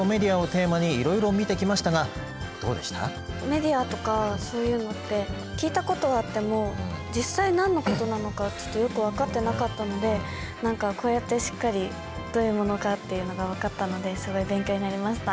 メディアとかそういうのって聞いたことはあっても実際何のことなのかちょっとよく分かってなかったので何かこうやってしっかりどういうものかっていうのが分かったのですごい勉強になりました。